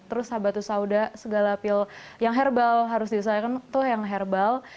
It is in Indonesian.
terus habatus sauda segala pil yang herbal harus diselesaikan itu yang herbal